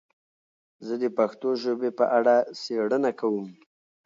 زه د پښتو ژبې په اړه څېړنه کوم.